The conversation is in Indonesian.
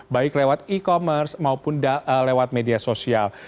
baik lewat e commerce maupun lewat media sosial